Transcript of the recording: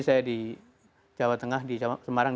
saya di jawa tengah di semarang